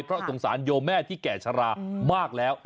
เพราะสงสารโยแม่ที่แก่ชะลามากแล้ว